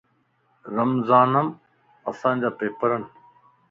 رمضانم اسانجا پيپرن